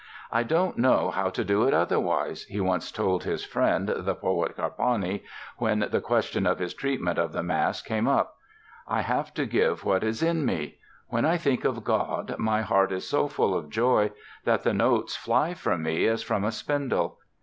"I don't know how to do it otherwise," he once told his friend, the poet Carpani, when the question of his treatment of the mass came up. "I have to give what is in me! When I think of God, my heart is so full of joy that the notes fly from me as from a spindle.